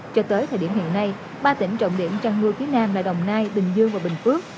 cho tới thời điểm hiện nay ba tỉnh trọng điểm chăn nuôi phía nam là đồng nai bình dương và bình phước